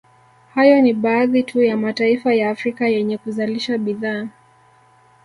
Hayo ni baadhi tu ya mataifa ya Afrika yenye kuzalisha bidhaa